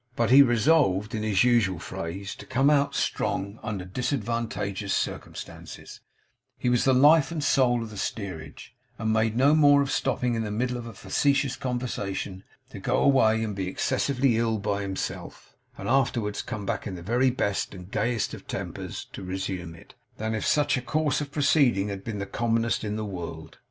But resolved, in his usual phrase, to 'come out strong' under disadvantageous circumstances, he was the life and soul of the steerage, and made no more of stopping in the middle of a facetious conversation to go away and be excessively ill by himself, and afterwards come back in the very best and gayest of tempers to resume it, than if such a course of proceeding had been the commonest in the world.